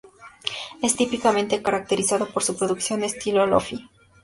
Es típicamente caracterizado por su producción estilo lo-fi.